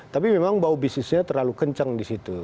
tapi memang bau bisnisnya terlalu kencang di situ